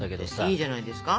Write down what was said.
いいじゃないですか。